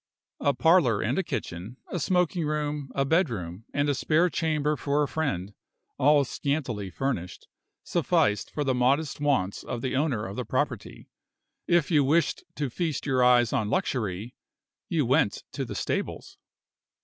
A parlor and a kitchen, a smoking room, a bed room, and a spare chamber for a friend, all scantily furnished, sufficed for the modest wants of the owner of the property. If you wished to feast your eyes on luxury you went to the stables.